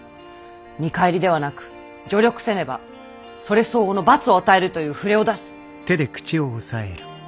見返りではなく助力せねばそれ相応の罰を与えるという触れを出し。